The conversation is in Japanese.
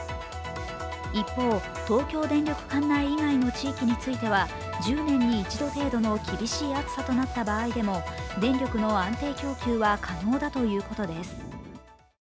一方、東京電力管内以外の地域については１０年に一度程度の厳しい暑さとなった場合でも電力の安定供給は可能だということです。